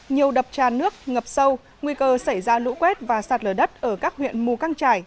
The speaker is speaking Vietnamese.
nhiều đập tràn nước ngập sâu nguy cơ xảy ra lũ quét và sạt lở đất ở các huyện mù căng trải